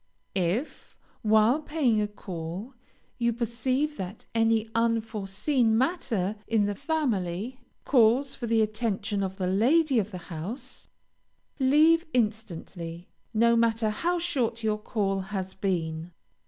If, while paying a call, you perceive that any unforeseen matter in the family, calls for the attention of the lady of the house, leave instantly, no matter how short your call has been.